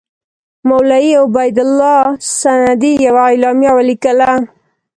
مولوي عبیدالله سندي یوه اعلامیه ولیکله.